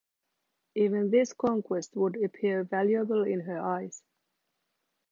Even this conquest would appear valuable in her eyes.